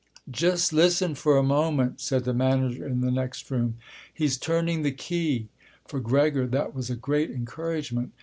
"Just listen for a moment," said the manager in the next room; "he's turning the key." For Gregor that was a great encouragement.